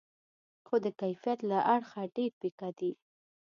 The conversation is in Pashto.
خو د کیفیت له اړخه ډېر پیکه دي.